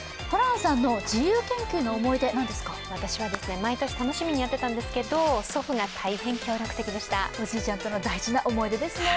私はですね、毎年楽しみにやってたんですけど、祖父が大変協力的でしたおじいちゃんとの大事な思い出ですね。